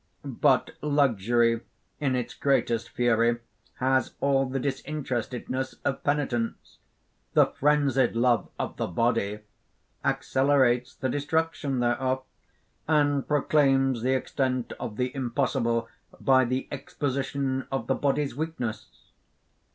"But luxury, in its greatest fury, has all the disinterestedness of penitence. The frenzied love of the body accelerates the destruction thereof, and proclaims the extent of the impossible by the exposition of the body's weakness."